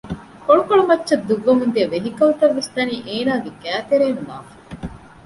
ކޮޅުކޮޅު މައްޗަށް ދުއްވަމުންދިޔަ ވެހިކަލްތައްވެސް ދަނީ އޭނާގެ ގައިތެރެއިން ލާފަ